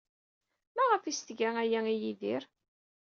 Maɣef ay as-tga aya i Yidir?